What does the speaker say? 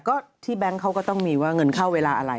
ก็ที่แบงค์เขาก็ต้องมีว่าเงินเข้าเวลาอะไร